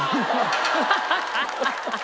ハハハハ！